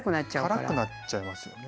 辛くなっちゃいますよね。